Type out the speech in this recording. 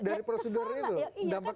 dari prosedur itu